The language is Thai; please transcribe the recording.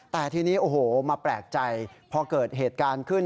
แต่ทีนี้โอ้โหมาแปลกใจพอเกิดเหตุการณ์ขึ้น